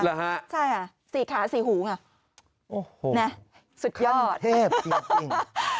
หรอฮะใช่อ่ะสี่ขาสี่หูไงโอ้โหเนี่ยสุดยอดขั้นเทพจริงจริง